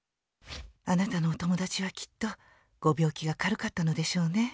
「あなたのお友だちはきっとご病気が軽かったのでしょうね。